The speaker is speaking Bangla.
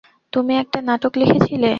তুমি একটা নাটক লিখেছিলে।